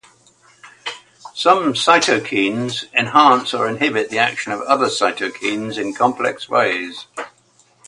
Some cytokines enhance or inhibit the action of other cytokines in complex ways.